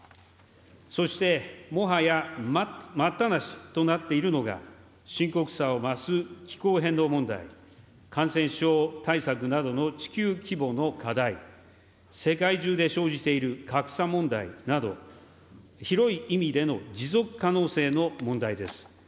そして、もはや待ったなしとなっているのが、深刻さを増す気候変動問題、感染症対策などの地球規模の課題、世界中で生じている格差問題など、広い意味での持続可能性の問題です。